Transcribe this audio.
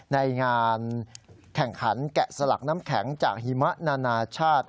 ในงานแข่งขันแกะสลักน้ำแข็งจากหิมะนานาชาติ